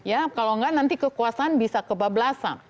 karena kalau nggak nanti kekuasaan bisa kebablasan